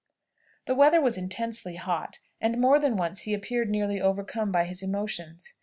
The weather was intensely hot, and more than once he appeared nearly overcome by his emotions.